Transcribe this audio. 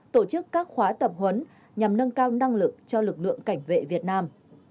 tổ chức các khóa tập huấn nhằm nâng cao năng lực cho lực lượng cảnh vệ việt nam